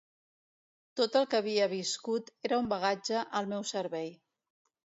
Tot el que havia viscut era un bagatge al meu servei.